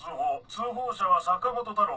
通報者は坂本太郎。